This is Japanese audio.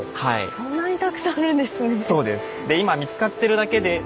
そんなにたくさんあるんですね。